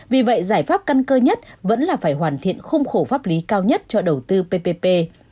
vì vậy giải pháp căn cơ nhất vẫn là phải hoàn thiện khung khổ pháp lý cao nhất cho đầu tư ppp